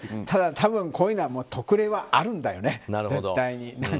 ただ多分、こういうのは特例はあるんだよね、絶対に。